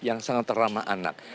yang sangat teramah anak